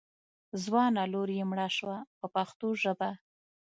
ځوانه لور یې مړه شوه په پښتو ژبه.